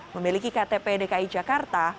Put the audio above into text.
memiliki ktp dki jakarta